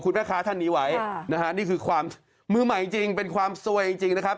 นี่คือความมื้อใหม่จริงเป็นความซวยจริงนะครับ